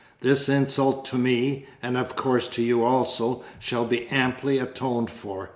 This insult to me (and of course to you also) shall be amply atoned for.